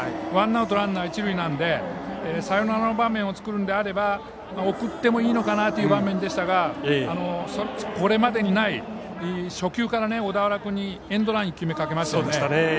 ワンアウトランナー、一塁なのでサヨナラの場面を作るのであれば送ってもいいのかなという場面でしたがこれまでにない初球から小田原君にエンドランを決めかけましたよね。